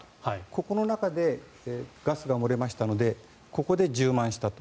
ここの中でガスが漏れましたのでここで充満したと。